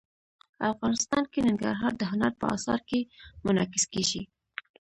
افغانستان کې ننګرهار د هنر په اثار کې منعکس کېږي.